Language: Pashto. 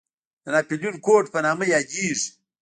د ناپلیون کوډ په نامه یادېږي.